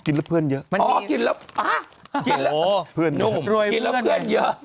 กินละเพื่อนเยอะมันมีอ๋อกินละเพื่อนเยอะ